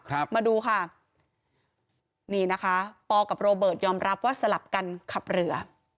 มาดูค่ะนี่นะคะปอกับโรเบิร์ตยอมรับว่าสลับกันขับเรือ